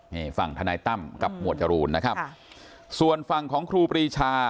นี่ฝั่งธนายตั้มกับหมวดจรูนนะครับส่วนฝั่งของครูปรีชา